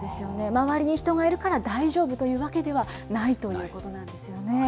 周りに人がいるから大丈夫というわけではないということなんですよね。